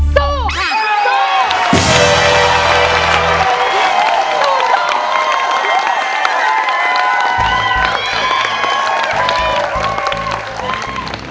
สู้ค่ะสู้